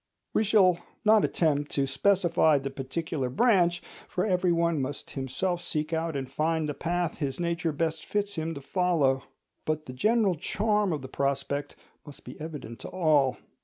We shall not attempt to specify the particular branch—for every one must himself seek out and find the path his nature best fits him to follow; but the general charm of the prospect must be evident to all.